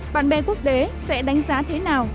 bạn bè quốc tế sẽ đánh giá thế nào